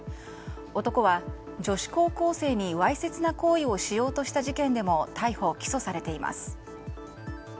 男は女子高校生にわいせつな行為をしようとした事件でも逮捕・起訴されています。